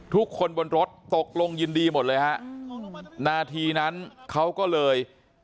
ทุกคนบนรถตกลงยินดีหมดเลยฮะนาทีนั้นเขาก็เลย